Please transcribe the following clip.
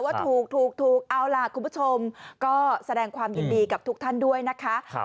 ว่าถูกถูกเอาล่ะคุณผู้ชมก็แสดงความยินดีกับทุกท่านด้วยนะคะ